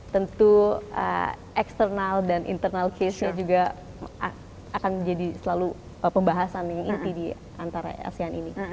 tentu eksternal dan internal case nya juga akan menjadi selalu pembahasan yang inti di antara asean ini